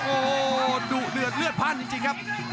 โอ้โหดูเหลือดเลือดพันจริงครับ